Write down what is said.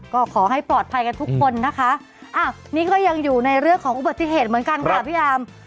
ก็ขอให้ปลอดภัยกันทุกคนนะคะอ่ะนี่ก็ยังอยู่ในเรื่องของอุบัติเหตุเหมือนกันค่ะพี่อาร์ม